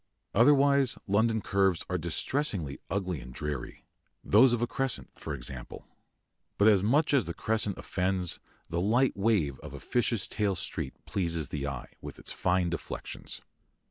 Otherwise London curves are distressingly ugly and dreary those of a crescent, for example. But as much as the crescent offends, the light wave of a fish's tail street pleases the eye, with its fine deflections.